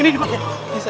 ini di mana